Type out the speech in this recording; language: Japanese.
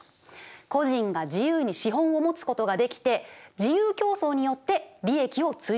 個人が自由に資本を持つことができて自由競争によって利益を追求していく。